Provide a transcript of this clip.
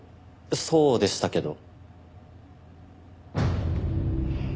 そうでしたけど。